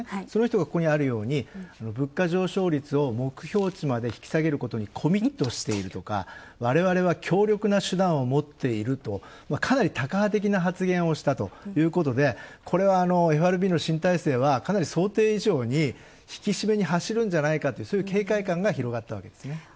その人がここにあるように物価上昇率を目標値まで引き下げることにコミットしているとか、われわれは強力な手段を持っていると、かなりタカ派的な発言をしたということで、これはＦＲＢの新体制はかなり想定以上に引き締めに走るんじゃないかというそういう警戒感が広がったわけですね。